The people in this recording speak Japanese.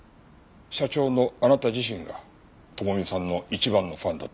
社長のあなた自身が智美さんの一番のファンだった。